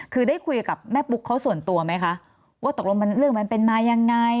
คือได้คุยกับแม่ปุ๊กเขาส่วนตัวไหมคะว่าตกลงมันเรื่องมันเป็นมายังไง